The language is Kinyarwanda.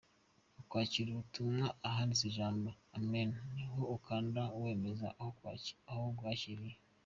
Mu kwakira ubutumwa, ahanditse ijambo ‘Amen’ niho ukanda wemeza ko ubwakiriye.